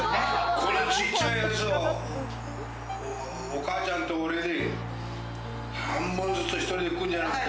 このちっちゃいやつを、お母ちゃんと俺に半分ずつ、１人で食うんじゃなくて。